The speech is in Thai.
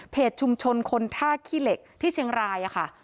ชุมชนคนท่าขี้เหล็กที่เชียงรายค่ะ